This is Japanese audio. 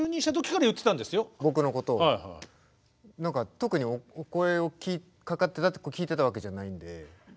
特にお声かかってたって聞いてたわけじゃないんで。